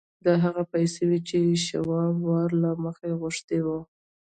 دا هغه پیسې وې چې شواب وار له مخه غوښتي وو